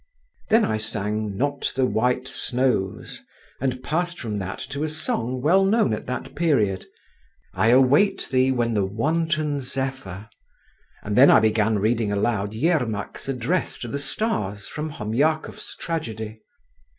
Then I sang "Not the white snows," and passed from that to a song well known at that period: "I await thee, when the wanton zephyr," then I began reading aloud Yermak's address to the stars from Homyakov's tragedy.